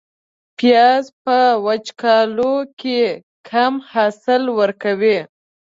پیاز په وچکالو کې کم حاصل ورکوي